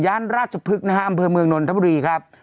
ย้านราชพึกนะฮะอำเภอเมืองนนท์ธรรมดีครับ